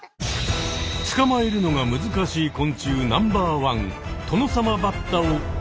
つかまえるのが難しい昆虫ナンバーワン。